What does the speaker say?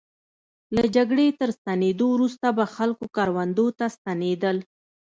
له جګړې تر ستنېدو وروسته به خپلو کروندو ته ستنېدل.